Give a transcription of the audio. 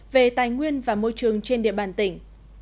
về tài nguyên và môi trường trên địa bàn tỉnh